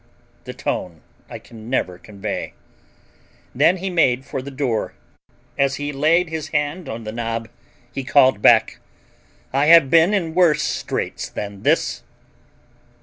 The tone I can never convey. Then he made for the door. As he laid his hand on the knob, he called back: "I have been in worse straits than this!"